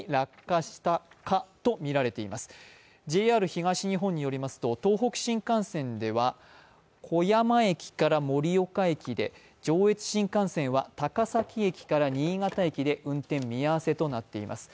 ＪＲ東日本によりますと東北新幹線では小山駅から盛岡駅で、上越新幹線では高崎駅から新潟駅で運転見合わせとなっています。